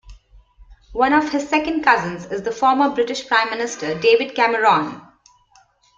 One of his second cousins is the former British Prime Minister, David Cameron.